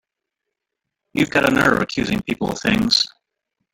You've got a nerve accusing people of things!